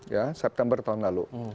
ya september tahun lalu